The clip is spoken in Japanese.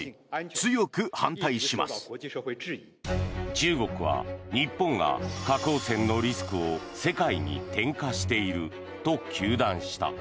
中国は日本が核汚染のリスクを世界に転嫁していると糾弾した。